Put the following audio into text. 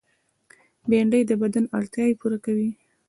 بېنډۍ د بدن اړتیاوې پوره کوي